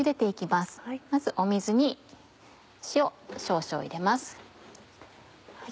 まず水に塩少々入れます。